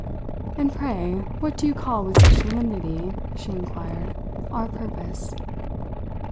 "And, pray, what do you call with such solemnity," she inquired, "our purpose?"